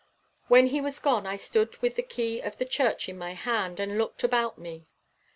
When he was gone I stood with the key of the church in my hand, and looked about me.